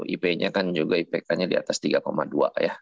ipnya kan juga ipknya di atas tiga dua ya